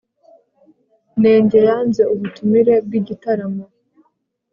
nenge yanze ubutumire bw'igitaramo